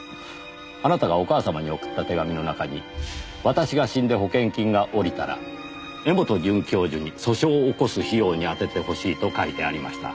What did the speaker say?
あなたがお母様に送った手紙の中に私が死んで保険金が下りたら柄本准教授に訴訟を起こす費用にあててほしいと書いてありました。